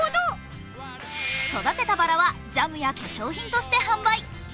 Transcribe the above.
育てたバラはジャムや化粧品として販売。